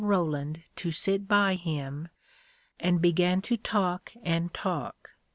Roland to sit by him, and began to talk and talk.